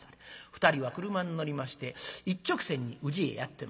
２人は車に乗りまして一直線に宇治へやって参り